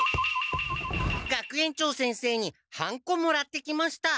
学園長先生にハンコもらってきました！